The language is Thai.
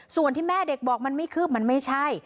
ส่วนที่แม่เด็กบอกมันไม่คืบมันไม่ใช่